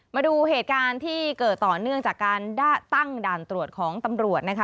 มาดูเหตุการณ์ที่เกิดต่อเนื่องจากการตั้งด่านตรวจของตำรวจนะคะ